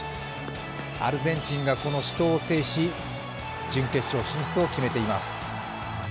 アルゼンチンがこの死闘を制し、準決勝進出を決めています。